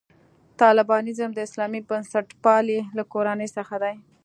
طالبانیزم د اسلامي بنسټپالنې له کورنۍ څخه دی.